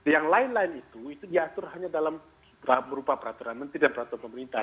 yang lain lain itu itu diatur hanya dalam berupa peraturan menteri dan peraturan pemerintah